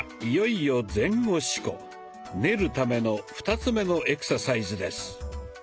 いよいよ「練る」ための２つ目のエクササイズです。